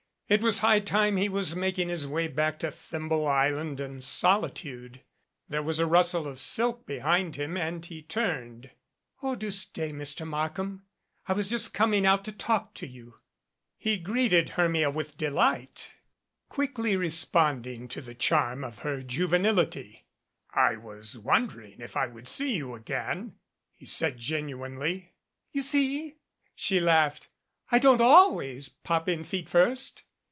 It was high time he was making his way back to Thimble Island and soli tude. There was a rustle of silk behind him, and he turned. 87 "Oh, do stay, Mr. Markham. I was just coming out to talk to you." He greeted Hermia with delight, quickly responding to the charm of her juvenility. "I was wondering if I would see you again," he said genuinely. "You see," she laughed, "I don't always pop in feet first."